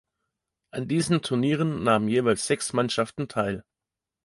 An diesen Turnieren nahmen jeweils sechs Mannschaften teil.